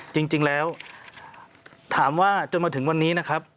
จริงแล้วถามว่าจนมาถึงวันนี้นะครับ